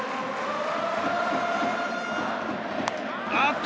あっと！